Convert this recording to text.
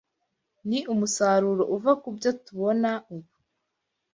Ni umusaruro uva ku byo tubona ubu